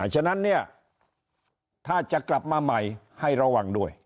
ฉะนั้นเนี่ยถ้าจะกลับมาใหม่ให้ระวังด้วย